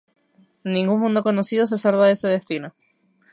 Ningún mundo conocido se salva de ese destino.